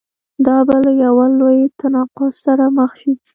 دا به له یوه لوی تناقض سره مخ شي.